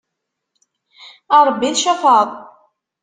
A Rebbi tcafεeḍ!